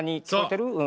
そう。